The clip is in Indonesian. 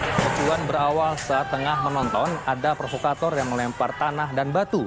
kecuan berawal saat tengah menonton ada provokator yang melempar tanah dan batu